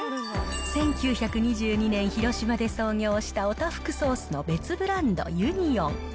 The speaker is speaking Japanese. １９２２年、広島で創業したオタフクソースの別ブランド、ユニオン。